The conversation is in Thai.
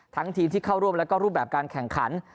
ทีมที่เข้าร่วมแล้วก็รูปแบบการแข่งขัน